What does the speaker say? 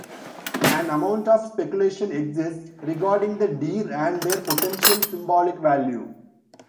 An amount of speculation exists regarding the deer and their potential symbolic value.